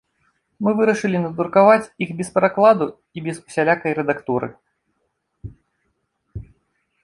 Мы вырашылі надрукаваць іх без перакладу і без усялякай рэдактуры.